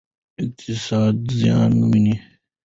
اقتصاد زیان ویني.